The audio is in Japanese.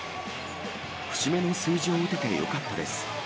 節目の数字を打ててよかったです。